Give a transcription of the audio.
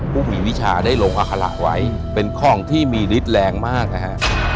ผู้มีวิชาได้ลงอัคระไว้เป็นของที่มีฤทธิ์แรงมากนะฮะ